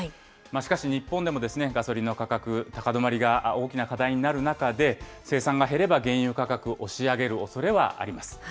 しかし日本でもガソリンの価格、高止まりが大きな課題となる中で、生産が減れば原油価格押し上げるおそれはあります。